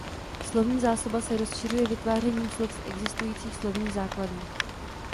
Slovní zásoba se rozšiřuje vytvářením slov z existujících slovních základů.